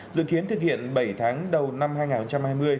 dự kiến thực hiện bảy tháng đầu năm hai nghìn hai mươi